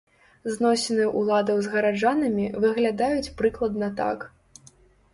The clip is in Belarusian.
Зносіны ўладаў з гараджанамі выглядаюць прыкладна так.